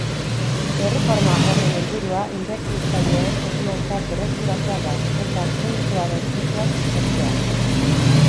Erreforma horren helburua inbertitzaileen konfiantza berreskuratzea da, eta kredituaren fluxua suspertzea.